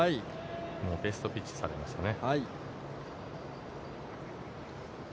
もうベストピッチされましたね。